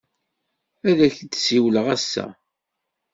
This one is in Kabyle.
Ad ak-d-siwleɣ ass-a.